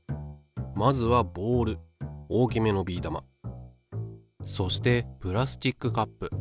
まずはボール大きめのビー玉そしてプラスチックカップ。